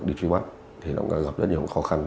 đi truy bắt thì nó gặp rất nhiều khó khăn